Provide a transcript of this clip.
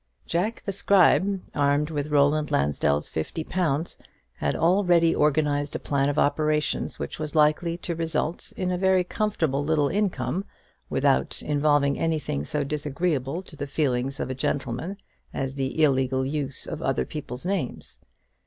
Jack the Scribe, armed with Roland Lansdell's fifty pounds, had already organized a plan of operations which was likely to result in a very comfortable little income, without involving anything so disagreeable to the feelings of a gentleman as the illegal use of other people's names.